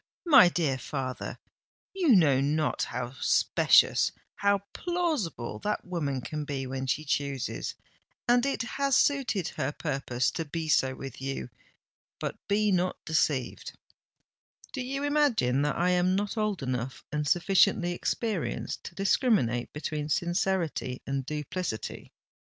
my dear father, you know not how specious—how plausible that woman can be when she chooses; and it has suited her purpose to be so with you. But be not deceived——" "Do you imagine that I am not old enough and sufficiently experienced to discriminate between sincerity and duplicity?"